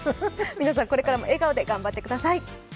皆さんこれからも笑顔で頑張ってください。